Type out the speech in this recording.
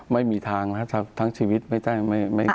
ไม่มีทางนะครับทั้งชีวิตไม่ได้